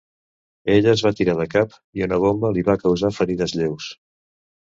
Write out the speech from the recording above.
Ella es va tirar de cap i una bomba li va causar ferides lleus.